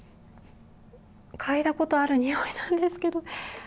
嗅いだことがあるにおいなんですけど。